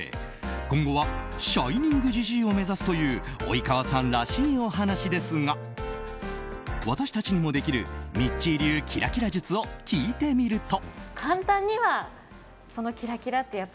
今後はシャイニングじじいを目指すという及川さんらしいお話ですが私たちにもできるミッチー流キラキラ術を聞いてみると。